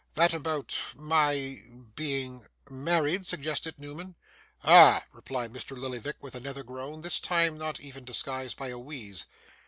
'That about my being ' 'Married?' suggested Newman. 'Ah!' replied Mr. Lillyvick, with another groan; this time not even disguised by a wheeze.